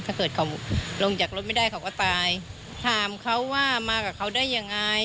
ถ้าเกิดเขาลงจากรถไม่ได้เขาก็ตายถามเขาว่ามากับเขาได้ยังไง